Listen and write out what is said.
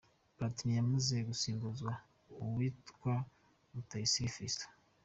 Platini yamaze gusimbuzwa uwitwa Rutayisire Fiston.